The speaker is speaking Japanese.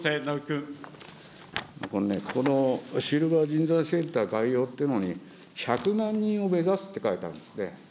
このシルバー人材センター概要っていうのに、１００万人を目指すって書いてあるんですって。